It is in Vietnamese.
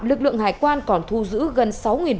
lực lượng hải quan còn thu giữ gần sáu